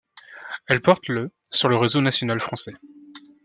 Elle porte le sur le réseau national français.